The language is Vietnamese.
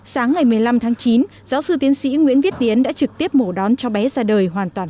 sáng ngày một mươi năm tháng chín giáo sư tiến sĩ nguyễn viết tiến đã trực tiếp mổ đón cháu bé ra đời hoàn toàn